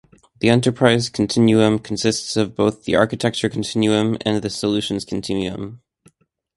The Enterprise Continuum consists of both the Architecture Continuum and the Solutions Continuum.